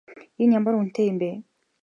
Энэ ямар үнэтэй юм бэ?